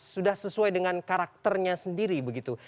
sudah sesuai dengan karakternya sendiri begitu